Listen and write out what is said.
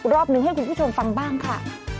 รอบหนึ่งให้คุณผู้ชมฟังบ้างค่ะ